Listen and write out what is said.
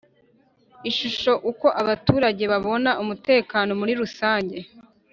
Ishusho Uko abaturage babona umutekano muri rusange